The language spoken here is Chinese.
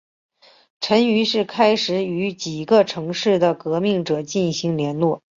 陈于是开始与几个城市的革命者进行联络。